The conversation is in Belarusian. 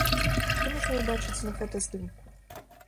Што можна ўбачыць на фотаздымку?